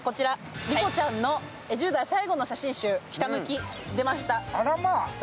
莉子ちゃんの１０代最後の写真集「ひたむき」出ました。